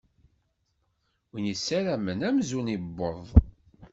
Win isarmen amzun iwweḍ.